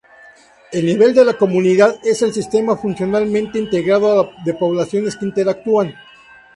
El nivel de la comunidad es el sistema funcionalmente integrado de poblaciones que interactúan.